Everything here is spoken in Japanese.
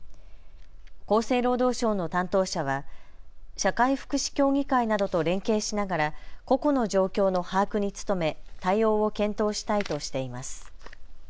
厚生労働省の担当者は社会福祉協議会などと連携しながら個々の状況の把握に努め対応を検討したいとしています。